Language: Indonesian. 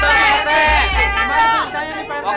gimana percaya nih pak rt